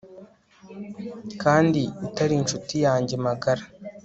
kandi utari inshuti yanjye magara